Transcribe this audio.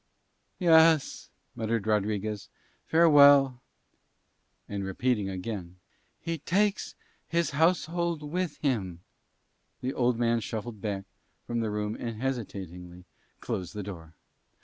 "Yes," muttered Rodriguez. "Farewell." And repeating again, "He takes his household with him," the old man shuffled back from the room and hesitatingly closed the door.